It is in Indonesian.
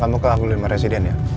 kamu ke aglone meresiden ya